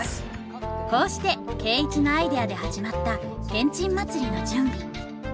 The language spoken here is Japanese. こうして圭一のアイデアで始まったけんちん祭りの準備。